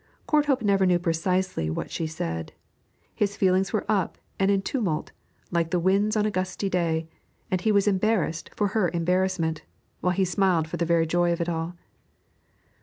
Courthope never knew precisely what she said. His feelings were up and in tumult, like the winds on a gusty day, and he was embarrassed for her embarrassment, while he smiled for the very joy of it all.